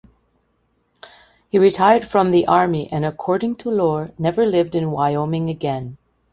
He retired from the army and, according to lore, never lived in Wyoming again.